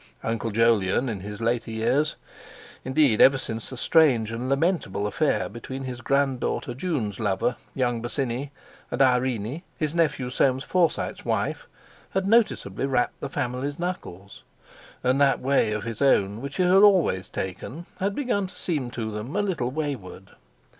Uncle Jolyon in his later years—indeed, ever since the strange and lamentable affair between his granddaughter June's lover, young Bosinney, and Irene, his nephew Soames Forsyte's wife—had noticeably rapped the family's knuckles; and that way of his own which he had always taken had begun to seem to them a little wayward.